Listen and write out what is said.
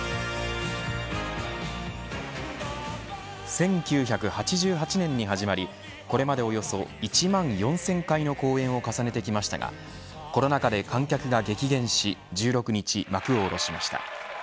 １９８８年に始まりこれまでおよそ１万４０００回の公演を重ねてきましたがコロナ禍で観客が激減し１６日、幕を下ろしました。